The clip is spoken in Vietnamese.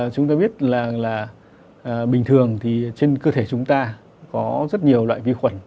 chúng ta biết là bình thường thì trên cơ thể chúng ta có rất nhiều loại vi khuẩn